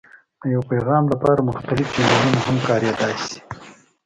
د یو پیغام لپاره مختلف چینلونه هم کارېدای شي.